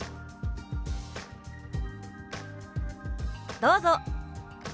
どうぞ！